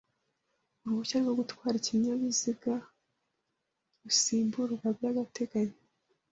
urehushya rwo gutwara ikinyabiziga rusimburwa by'agateganyo